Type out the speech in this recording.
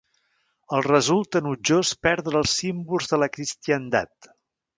Els resulta enutjós perdre els símbols de la cristiandat.